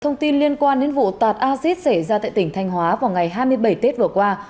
thông tin liên quan đến vụ tạt acid xảy ra tại tỉnh thanh hóa vào ngày hai mươi bảy tết vừa qua